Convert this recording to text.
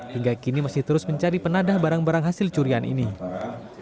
hingga kini masih terus mencari penadah barang barang hasil curian ini